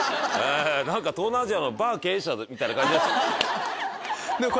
何か東南アジアのバー経営者みたいな感じでしょ。